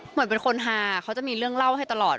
เหมือนเป็นคนฮาเขาจะมีเรื่องเล่าให้ตลอด